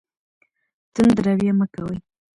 تند رویه مه کوئ.